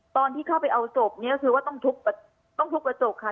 ตอนที่เข้าไปเอาศพเนี่ยก็คือว่าต้องทุบกระจกค่ะ